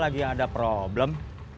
lagi ada problem